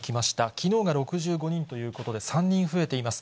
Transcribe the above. きのうが６５人ということで３人増えています。